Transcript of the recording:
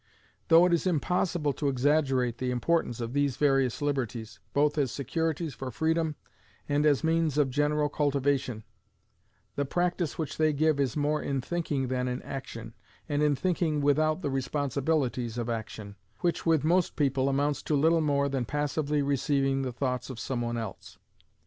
Though it is impossible to exaggerate the importance of these various liberties, both as securities for freedom and as means of general cultivation, the practice which they give is more in thinking than in action, and in thinking without the responsibilities of action, which with most people amounts to little more than passively receiving the thoughts of some one else.